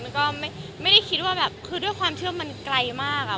มันก็ไม่ได้คิดว่าแบบคือด้วยความเชื่อมันไกลมากอะ